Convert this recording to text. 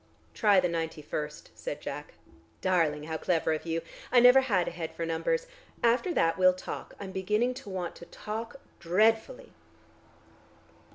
"Try the ninety first," said Jack. "Darling, how clever of you. I never had a head for numbers. After that we'll talk; I'm beginning to want to talk dreadfully."